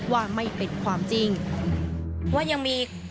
ว่าไม่เป็นความจริง